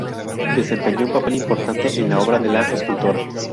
Desempeñó un papel importante en la obra de la escultora.